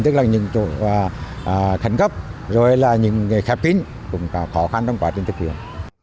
tức là những chỗ khẳng cấp rồi là những khép kín cũng khó khăn trong quá trình thực hiện